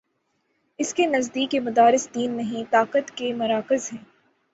اس کے نزدیک یہ مدارس دین نہیں، طاقت کے مراکز ہیں۔